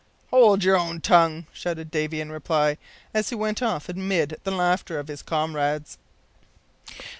"Hold your own tongue," shouted Davy, in reply, as he went off amid the laughter of his comrades.